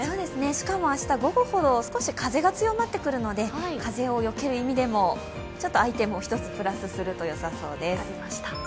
しかも明日午後ほど少し風が強まってくるので、風をよける意味でもアイテムを１つプラスするとよさそうです。